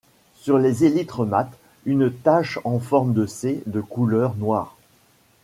Sur les élytres mats, une tache en forme de C de couleur noire.